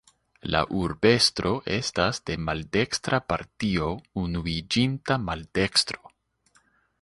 La urbestro estas de maldekstra partio Unuiĝinta Maldekstro.